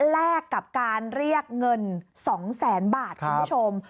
แลกกับการเรียกเงิน๒แสนบาทคุณผู้ชม